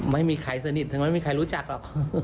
ไม่มีใครสนิททั้งไม่มีใครรู้จักหรอก